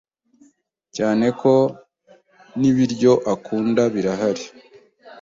cyane ko n’ibiryo akunda bihari